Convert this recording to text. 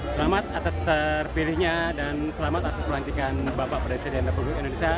selamat atas terpilihnya dan selamat atas pelantikan bapak presiden republik indonesia